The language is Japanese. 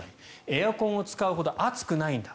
エアコンを使うほど暑くないんだ。